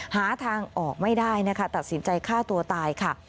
หาทางออกไม่ได้นะคะตัดสินใจฆ่าตัวตายค่ะ